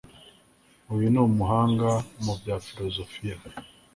Uyu ni umuhanga mu bya filozofiya